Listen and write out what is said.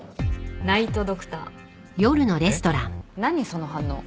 その反応。